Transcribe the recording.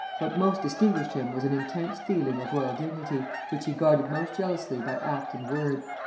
What most distinguished him was an intense feeling of royal dignity, which he guarded most jealously by act and word.